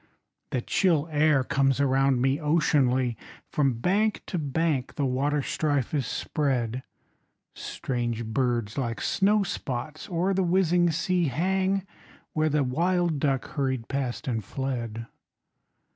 The chill air comes around me oceanly, From bank to bank the waterstrife is spread; Strange birds like snowspots oer the whizzing sea Hang where the wild duck hurried past and fled.